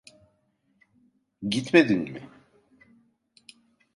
Gitmedin mi?